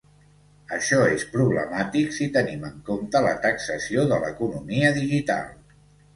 Això és problemàtic si tenim en compte la taxació de l"Economia digital.